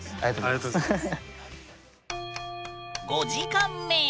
ありがとうございます。